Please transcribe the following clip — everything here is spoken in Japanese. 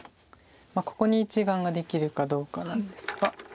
ここに１眼ができるかどうかなんですが。